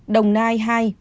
đồng nai hai